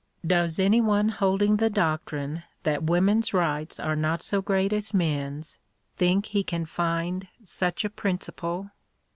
Does any one holding the doctrine that women's rights are not so great as men's, think he can find such a principle